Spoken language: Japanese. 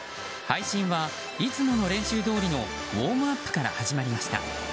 配信は、いつもの練習どおりのウォームアップから始まりました。